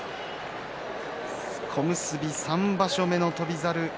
小結３場所目の翔猿。